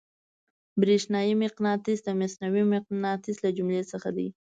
برېښنايي مقناطیس د مصنوعي مقناطیس له جملې څخه دی.